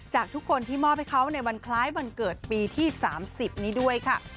จากทุกคนที่มอบให้เขาในวันคล้ายวันเกิดปีที่๓๐นี้ด้วยค่ะ